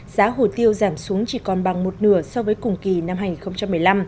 giá hồ tiêu giảm xuống chỉ còn bằng một nửa so với cùng kỳ năm hai nghìn một mươi năm